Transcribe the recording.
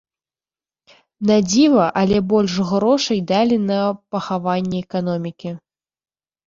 На дзіва, але больш грошай далі на пахаванне эканомікі.